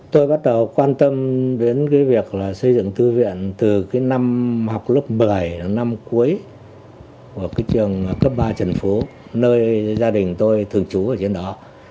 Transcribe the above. tôi bắt đầu quan tâm đến việc xây dựng thư viện từ năm học lớp một mươi năm cuối của trường cấp ba trần phú nơi gia đình tôi thường trú ở trên đó